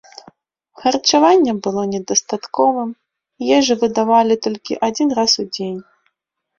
Харчаванне было недастатковым, ежу выдавалі толькі адзін раз у дзень.